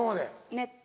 ネット。